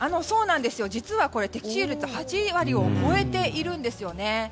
実は的中率８割を超えているんですよね。